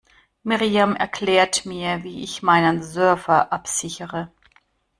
Miriam erklärt mir, wie ich meinen Server absichere.